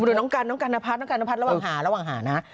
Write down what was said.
หรือน้องกันน้องกันนพัฒน์น้องกันนพัฒน์ระหว่างหาระหว่างหานะฮะ